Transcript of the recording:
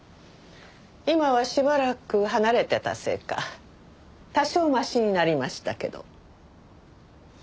今はしばらく離れてたせいか多少マシになりましたけど。